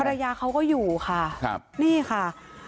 ภรรยาเขาก็อยู่ค่ะนี่ค่ะ